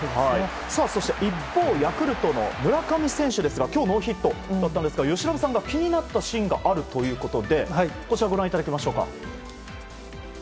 そして、一方ヤクルトの村上選手ですが今日、ノーヒットでしたが由伸さんが気になるシーンがあるということでこちらご覧いただきましょうか。